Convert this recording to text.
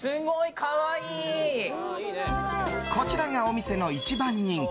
こちらがお店の一番人気。